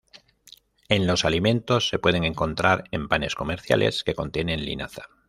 En los alimentos, se puede encontrar en panes comerciales que contienen linaza.